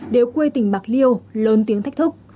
đều quê tỉnh bạc liêu lớn tiếng thách thức